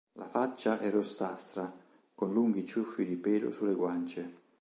La faccia è rossastra, con lunghi ciuffi di pelo sulle guance.